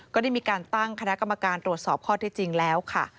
ก็ได้มีการตั้งคณะกรรมการตรวจสอบข้อที่จริงแล้วค่ะ